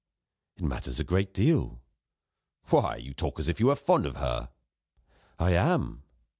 "It matters a great deal." "Why, you talk as if you were fond of her!" "I am."